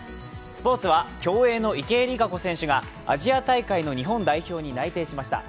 スポーツは競泳の池江璃花子選手がアジア大会の日本代表に内定しました。